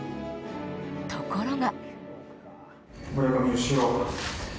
ところが。